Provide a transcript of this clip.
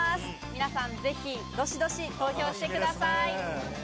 皆さん、ぜひどしどし投票してください。